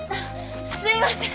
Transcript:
すいません。